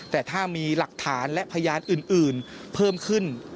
แต่ถ้ามีหลักฐานและพยานอื่นเพิ่มขึ้น